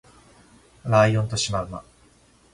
ライオンとシマウマ